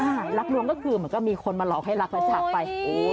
อ่ารักลวงก็คือเหมือนก็มีคนมาหลอกให้รักมาฉักไป